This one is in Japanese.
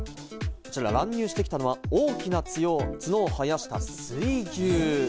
乱入してきたのは大きな角を生やした水牛。